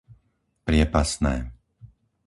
Priepasné